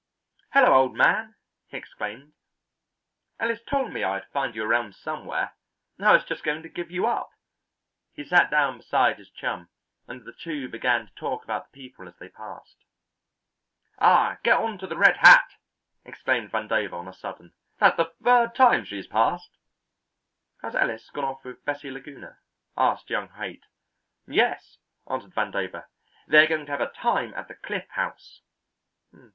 "Hello, old man!" he exclaimed. "Ellis told me I would find you around somewhere. I was just going to give you up." He sat down beside his chum, and the two began to talk about the people as they passed. "Ah, get on to the red hat!" exclaimed Vandover on a sudden. "That's the third time she's passed." "Has Ellis gone off with Bessie Laguna?" asked young Haight. "Yes," answered Vandover. "They're going to have a time at the Cliff House."